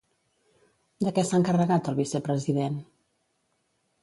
De què s'ha encarregat el vicepresident?